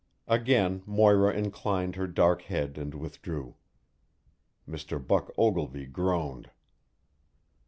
Again Moira inclined her dark head and withdrew. Mr. Buck Ogilvy groaned.